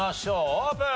オープン！